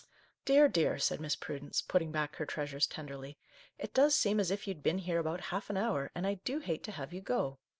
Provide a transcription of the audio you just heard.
" Dear, dear !" said Miss Prudence, putting back her treasures tenderly, " it does seem as if you'd been here about half an hour, and I do hate to have you go